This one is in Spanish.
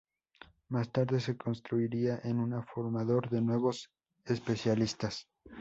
Más tarde se constituiría en un formador de nuevos especialistas.